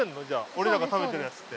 俺らが食べてるやつって。